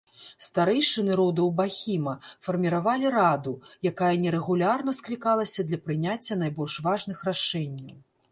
Старэйшыны родаў бахіма фарміравалі раду, якая нерэгулярна склікалася для прыняцця найбольш важных рашэнняў.